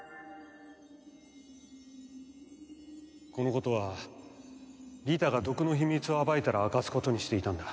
このことはリタが毒の秘密を暴いたら明かすことにしていたんだ。